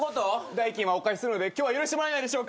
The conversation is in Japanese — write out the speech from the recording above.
代金はお返しするので今日は許してもらえないでしょうか？